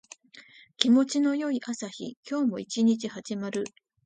気持ちの良い朝日。今日も一日始まる。